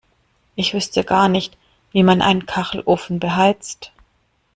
Ich wüsste gar nicht, wie man einen Kachelofen beheizt.